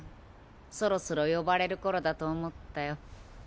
そろそろ呼ばれるころだと思ったよ。